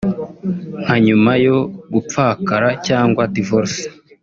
Nka nyuma yo gupfakara cg divorce